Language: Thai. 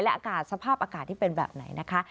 อากาศสภาพอากาศที่เป็นแบบไหนนะคะ